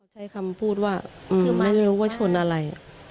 ใช้คำพูดว่าคือไม่รู้ว่าชนอะไร